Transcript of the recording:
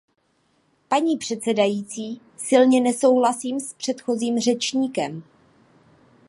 Paní předsedající, silně nesouhlasím s předchozím řečníkem.